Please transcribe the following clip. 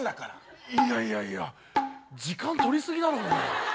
いやいやいや時間とりすぎだろ。